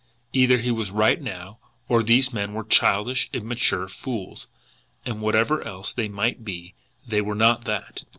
Either he was right now, or these men were childish, immature fools and, whatever else they might be, they were not that!